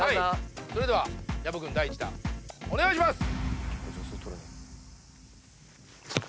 それでは薮君第１打お願いします！